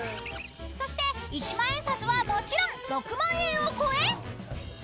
［そして一万円札はもちろん６万円を超え］